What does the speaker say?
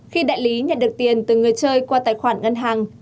khi đại lý nhận được tiền từ người chơi qua tài khoản ngân hàng